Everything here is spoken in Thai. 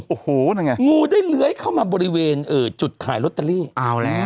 โอ้โหนั่นไงงูได้เลื้อยเข้ามาบริเวณจุดขายลอตเตอรี่เอาแล้ว